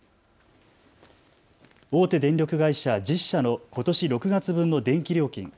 大手電力会社１０社のことし６月分の電気料金。